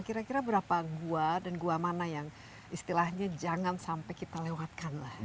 kira kira berapa gua dan gua mana yang istilahnya jangan sampai kita lewatkan lah